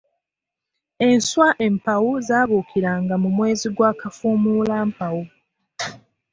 Enswa empawu zaabuukiranga mu mwezi gwa Kafumuulampawu.